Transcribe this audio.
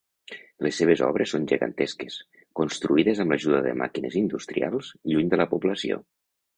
Les seves obres són gegantesques, construïdes amb l'ajuda de màquines industrials, lluny de la població.